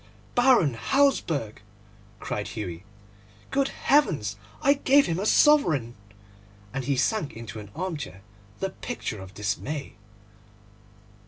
'Baron Hausberg!' cried Hughie. 'Good heavens! I gave him a sovereign!' and he sank into an armchair the picture of dismay.